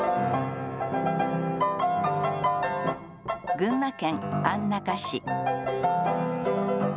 群馬県安中市。